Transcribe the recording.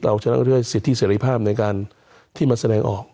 และชนะก็ด้วยสิทธิหรี่ภาพในการที่มาแสดงออก